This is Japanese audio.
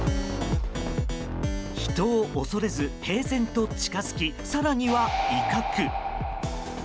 人を恐れず平然と近づき更には威嚇。